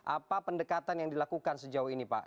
apa pendekatan yang dilakukan sejauh ini pak